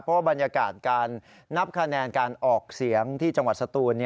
เพราะว่าบรรยากาศการนับคะแนนการออกเสียงที่จังหวัดสตูน